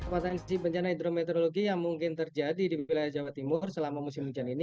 potensi bencana hidrometeorologi yang mungkin terjadi di wilayah jawa timur selama musim hujan ini